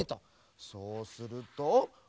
そうするとほら！